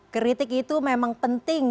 kritik itu memang penting